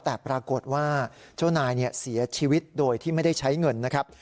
แต่ปรากฏว่าเจ้านายเสียชีวิตโดยที่ไม่ได้ใช้เงินนะครับ